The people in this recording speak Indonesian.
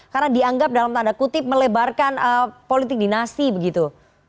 karena dianggap dalam tanda kutip melebarkan politik dinasti begitu